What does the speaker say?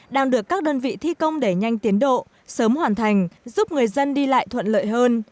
đang được các đơn vị thi công đẩy nhanh tiến độ sớm hoàn thành giúp người dân đi lại thuận lợi hơn